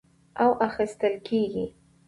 او اخىستل کېږي،